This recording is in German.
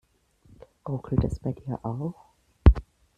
Ruckelt es bei dir auch?